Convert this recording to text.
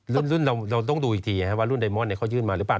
รุ่นเราต้องดูอีกทีว่ารุ่นไดมอนเขายื่นมาหรือเปล่า